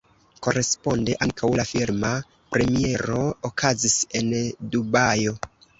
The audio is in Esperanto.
Koresponde ankaŭ la filma premiero okazis en Dubajo.